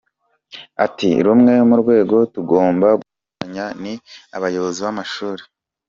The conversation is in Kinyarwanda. Ati “Rumwe mu rwego tugomba gufatanya ni abayobozi b’amashuri.